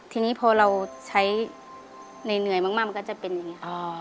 ทีนี้พอเราใช้เหนื่อยมากมันก็จะเป็นอย่างนี้